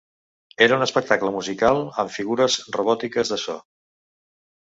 Era un espectacle musical, amb figures robòtiques de so.